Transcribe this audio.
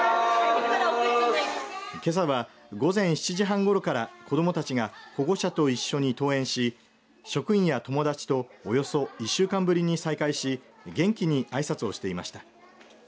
けさは午前７時半ごろから子どもたちが保護者と一緒に登園し職員や友達とおよそ１週間ぶりに再会し元気にあいさつをしていました。